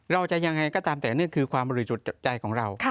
เราจะอย่างไรก็ตามแต่เนื่องคือความบริสุทธิ์ใจของเรา